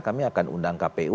kami akan undang kpu